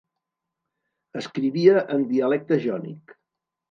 Escrivia en dialecte jònic.